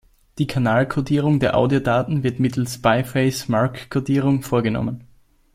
Die Kanalkodierung der Audiodaten wird mittels Biphase-Mark-Kodierung vorgenommen.